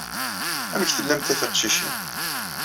Amek tellamt a tiqcicin?